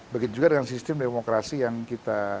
begitu juga dengan sistem demokrasi yang kita